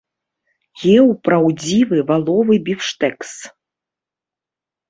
Еў праўдзівы валовы біфштэкс.